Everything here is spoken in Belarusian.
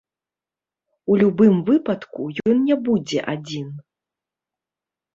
У любым выпадку, ён не будзе адзін.